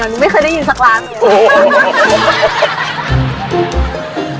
หนูไม่เคยได้ยินสักร้านอยู่